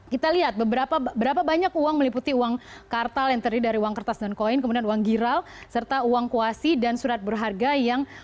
kita lihat berapa banyak uang meliputi uang kartal yang terdiri dari uang kertas dan koin kemudian uang giral serta uang kuasi dan surat berharga yang